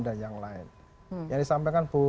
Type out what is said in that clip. dan yang lain yang disampaikan bu